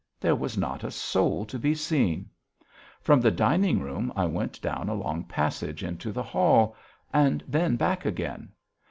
There was not a soul to be seen. From the dining room I went down a long passage into the hall, and then back again.